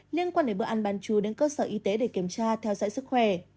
liên quan đến bữa ăn bán chú đến cơ sở y tế để kiểm tra theo dõi sức khỏe